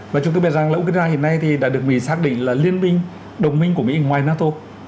và chúng tôi biết rằng là ukraine hiện nay thì đã được mỹ xác định là liên minh đồng minh của mỹ ngoài nato